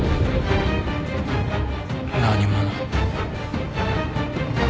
何者？